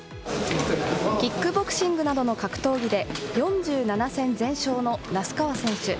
キックボクシングなどの格闘技で４７戦全勝の那須川選手。